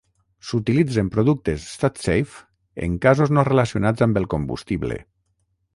S'utilitzen productes Statsafe en casos no relacionats amb el combustible.